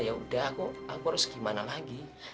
yaudah aku harus gimana lagi